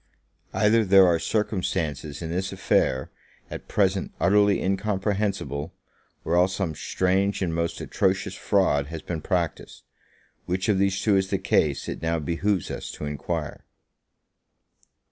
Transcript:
Either there are circumstances in this affair at present utterly incomprehensible, or else some strange and most atrocious fraud has been practiced; which of these two is the case it now behoves us to enquire.